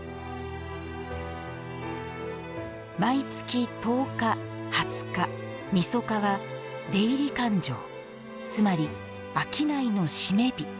毎月１０日、２０日晦日は出入勘定つまり、商いの締め日。